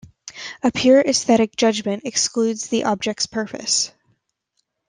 A pure aesthetic judgement excludes the object's purpose.